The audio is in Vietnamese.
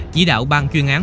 chỉ đạo bang chuyên án